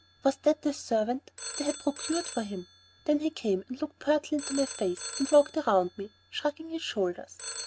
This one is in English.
Was that the servant they had procured for him. Then he came and looked pertly up into my face, and walked around me, shrugging his shoulders.